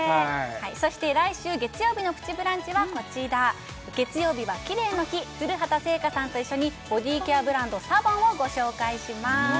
はいそして来週月曜日の「プチブランチ」はこちら月曜日はキレイの日古畑星夏さんと一緒にボディケアブランドＳＡＢＯＮをご紹介します